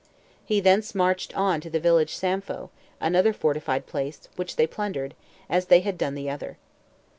He thence marched on to the village Sampho, another fortified place, which they plundered, as they had done the other.